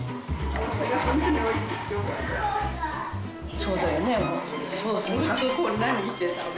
そうだよね。